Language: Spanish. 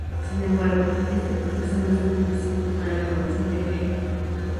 Sin embargo, este proceso no es tan eficiente para la producción de He-.